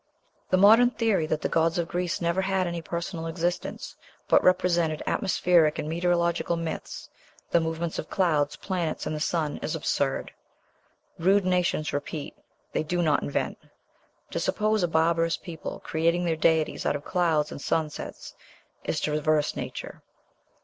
The modern theory that the gods of Greece never had any personal existence, but represented atmospheric and meteorological myths, the movements of clouds, planets, and the sun, is absurd. Rude nations repeat, they do not invent; to suppose a barbarous people creating their deities out of clouds and sunsets is to reverse nature.